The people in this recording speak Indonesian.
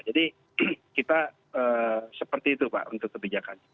jadi kita seperti itu pak untuk kebijakan